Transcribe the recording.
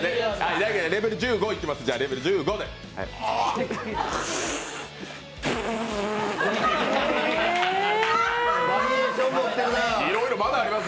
じゃあ、レベル１５いきます。